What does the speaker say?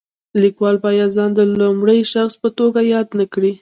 لیکوال باید ځان د لومړي شخص په توګه یاد نه کړي.